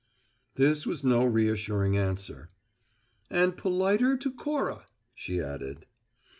This was no reassuring answer. "And politer to Cora," she added.